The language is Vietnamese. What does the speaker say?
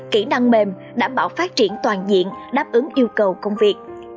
kỹ năng mềm đảm bảo phát triển toàn diện đáp ứng yêu cầu công việc